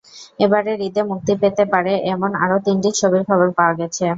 এবারের ঈদে মুক্তি পেতে পারে এমন আরও তিনটি ছবির খবর পাওয়া গেছে।